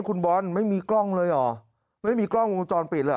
คุณบอลไม่มีกล้องเลยเหรอไม่มีกล้องวงจรปิดเลย